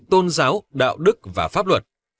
tôn giáo đạo đức và pháp luật